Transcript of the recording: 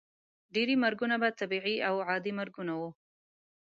ډیری مرګونه به طبیعي او عادي مرګونه وو.